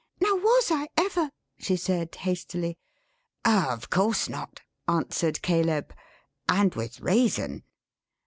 Now was I, ever?" she said, hastily. "Of course not," answered Caleb. "And with reason."